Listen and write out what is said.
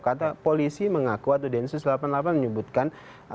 kata polisi mengaku atau densus delapan puluh delapan menyebutkan